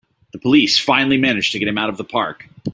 The police finally manage to get him out of the park!